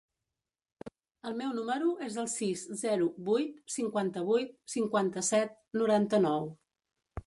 El meu número es el sis, zero, vuit, cinquanta-vuit, cinquanta-set, noranta-nou.